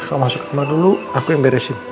kau masuk kamar dulu aku yang beresin